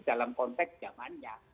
dalam konteks zamannya